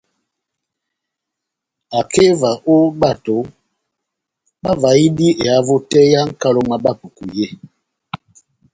Akeva ó bato bavahidi ehavo tɛ́h yá nʼkalo mwá Bapuku yé.